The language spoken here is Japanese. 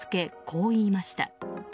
こう言いました。